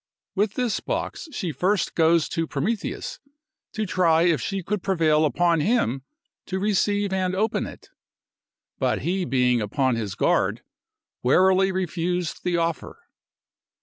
With this box she first goes to Prometheus, to try if she could prevail upon him to receive and open it; but he being upon his guard, warily refused the offer.